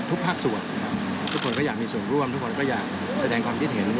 ทุกภาคสวทุกคนก็อยากมีส่วนร่วมทุกคนสแดงความคิดเห็น